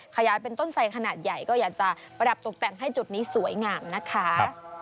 ขยายเป็นต้นไสขนาดใหญ่ก็อยากจะประดับตกแต่งให้จุดนี้สวยงามนะคะ